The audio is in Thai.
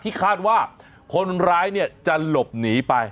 ที่คาดว่าคนร้ายเนี่ยจะหลบหนีไป